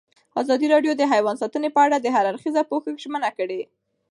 ازادي راډیو د حیوان ساتنه په اړه د هر اړخیز پوښښ ژمنه کړې.